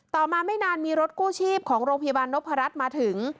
ต่อมาไม่นานมีรถกู้ชีพของโรงพยาบาลนพรัชมาถึง